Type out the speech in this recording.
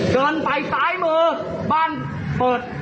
เดินไปซ้ายมือบ้านเปิด